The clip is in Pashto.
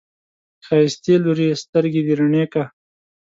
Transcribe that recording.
ښايستې لورې، سترګې رڼې که!